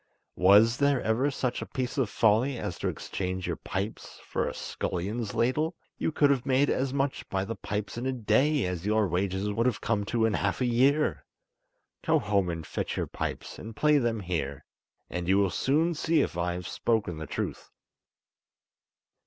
Was there ever such a piece of folly as to exchange your pipes for a scullion's ladle? You could have made as much by the pipes in a day as your wages would have come to in half a year. Go home and fetch your pipes, and play them here, and you will soon see if I have spoken the truth."